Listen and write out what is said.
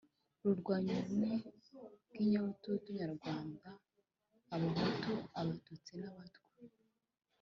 rurwanya ubumwe bw' inyabutatu nyarwanda (abahutu, abatutsi n' abatwa).